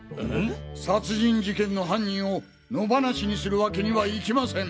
殺人事件の犯人を野放しにするわけにはいきません！